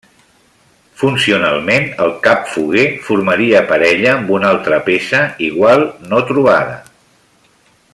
Funcionalment el capfoguer formaria parella amb una altra peça igual no trobada.